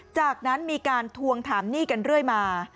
จากนั้นมีการทวงถามหนี้กันเรื่อยมา